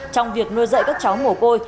trong việc nuôi dạy các cháu ngủ côi